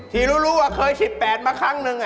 ที่รู้ว่าเคย๑๘มาครั้งหนึ่ง